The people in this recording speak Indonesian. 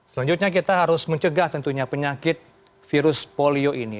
selanjutnya kita harus mencegah tentunya penyakit virus polio ini